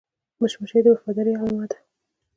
مچمچۍ د وفادارۍ علامه ده